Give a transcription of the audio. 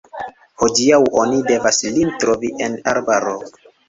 Hodiaŭ oni devas lin trovi en arbaro.